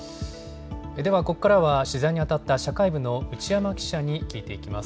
では、ここからは取材に当たった社会部の内山記者に聞いていきます。